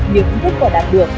những kết quả đạt được